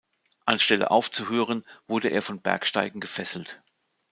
Anstelle aufzuhören, wurde er vom Bergsteigen gefesselt.